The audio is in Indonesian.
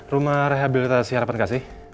rumah rehabilitasi harapan kasih